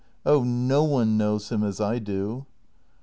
] Oh, no one knows him as I do!